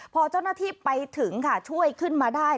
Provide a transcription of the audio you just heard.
พอเจ้าหน้าที่ไปถึงค่ะช่วยขึ้นมาได้